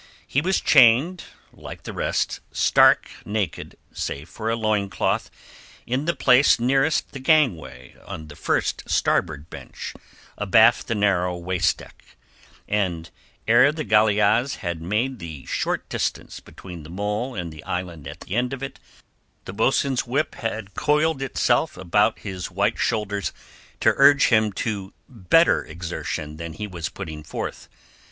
He was chained, like the rest, stark naked, save for a loincloth, in the place nearest the gangway on the first starboard bench abaft the narrow waist deck, and ere the galeasse had made the short distance between the mole and the island at the end of it, the boatswain's whip had coiled itself about his white shoulders to urge him to better exertion than he was putting forth.